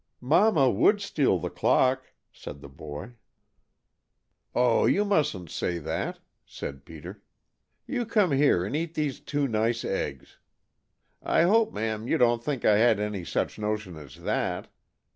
"Mama would steal the clock," said the boy. "Oh, you mustn't say that!" said Peter. "You come here and eat these two nice eggs. I hope, ma'am, you don't think I had any such notion as that.